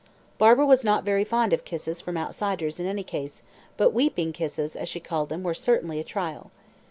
Barbara was not very fond of kisses from outsiders in any case, but "weeping kisses," as she called them, were certainly a trial!